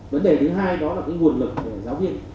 vấn đề thứ hai đó là cái nguồn lực của giáo viên